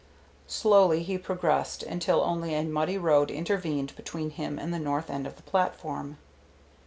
Slowly he progressed until only a muddy road intervened between him and the north end of the platform.